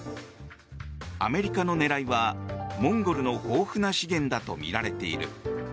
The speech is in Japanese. アメリカの狙いはモンゴルの豊富な資源だとみられている。